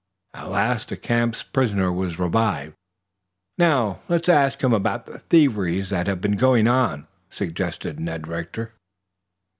At last the camp's prisoner was revived. "Now, let's ask him about the thieveries that have been going on," suggested Ned Rector.